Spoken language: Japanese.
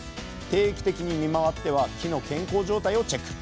定期的に見回っては木の健康状態をチェック。